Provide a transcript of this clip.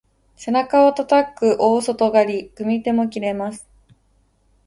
背中をたたく大外刈り、組み手も切れます。